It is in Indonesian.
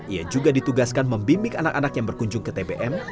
ia juga ditugaskan membimbing anak anak yang berkunjung ke tbm